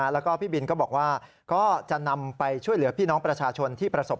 แล้วก็พี่บินก็บอกว่าก็จะนำไปช่วยเหลือพี่น้องประชาชนที่ประสบ